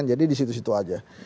jadi disitu situ aja